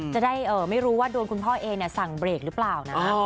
จะได้ไม่รู้ว่าโดนคุณพ่อเอสั่งเบรกหรือเปล่านะ